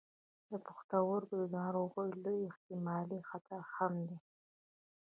د پښتورګو د ناروغیو لوی احتمالي خطر هم دی.